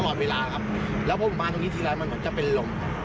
ตลอดเวลาครับแล้วพอผมมาตรงนี้ทีไรมันเหมือนจะเป็นลม